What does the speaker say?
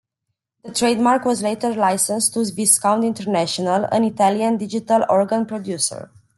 The trademark was later licensed to Viscount International, an Italian digital-organ producer.